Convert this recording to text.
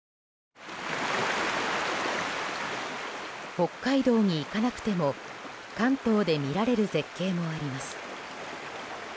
北海道に行かなくても関東で見られる絶景もあります。